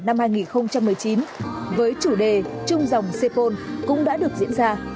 năm hai nghìn một mươi chín với chủ đề chung dòng sepol cũng đã được diễn ra